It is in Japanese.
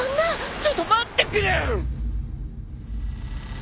ちょっと待ってくれ。